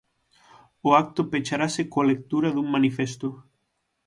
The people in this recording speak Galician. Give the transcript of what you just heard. O acto pecharase coa lectura dun manifesto.